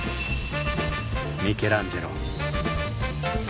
ミケランジェロ。